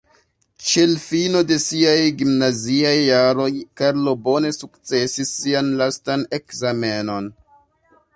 Ĉe l' fino de siaj gimnaziaj jaroj, Karlo bone sukcesis sian lastan ekzamenon.